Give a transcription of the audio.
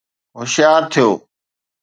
هوشيار ٿيو